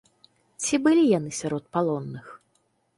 Ці былі яны сярод палонных?